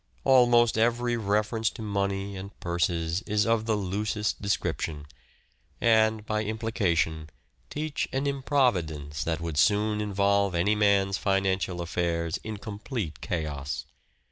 Almost every reference to money and purses is of the loosest description, and, by implication, teach an improvidence that would soon involve any man's financial affairs in complete chaos.